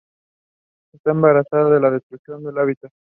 Está amenazada por la Destrucción de hábitat.